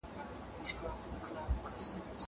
هغه وويل چي موبایل کارول مهم دي!